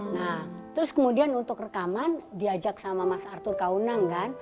nah terus kemudian untuk rekaman diajak sama mas arthur kaunang kan